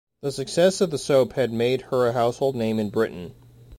The success of the soap had made her a household name in Britain.